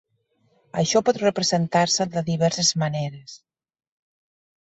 Això pot representar-se de diverses maneres.